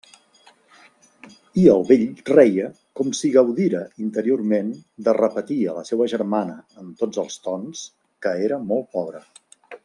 I el vell reia com si gaudira interiorment de repetir a la seua germana en tots els tons que era molt pobre.